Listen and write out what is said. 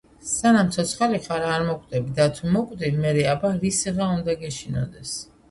სანამ ცოცხალი ხარ, არ მოკვდები და თუ მოკვდი მერე აბა რისიღა უნდა გეშინოდეს.